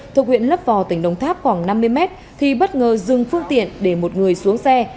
thuộc huyện lấp vò tỉnh đồng tháp khoảng năm mươi mét thì bất ngờ dừng phương tiện để một người xuống xe